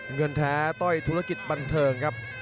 เงินแท้ต้อยธุรกิจบันเทิงครับ